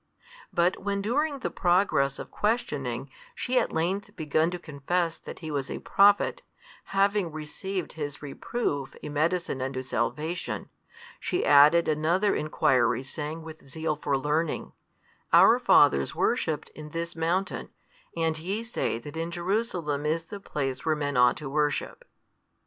But when during the progress of questioning, she at length begun to confess that He was a Prophet, having received His reproof a medicine unto salvation, she added another inquiry saying with zeal for learning: Our fathers worshipped in this mountain, and YE say that in Jerusalem is the place where men ought to worship.